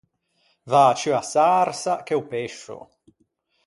Vâ ciù a sarsa che o pescio.